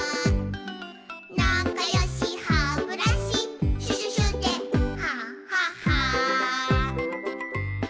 「なかよしハブラシシュシュシュでハハハ」